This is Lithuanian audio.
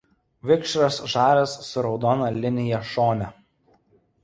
Vikšras žalias su raudona linija šone.